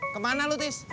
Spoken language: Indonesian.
kemana lu tis